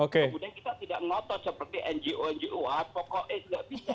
kemudian kita tidak ngotot seperti ngo ngo pokoknya tidak bisa